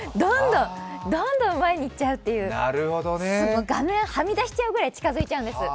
どんどん前にいっちゃうっていう、画面はみ出しちゃうぐらい、近づいちゃうんです。